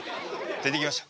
出てきました。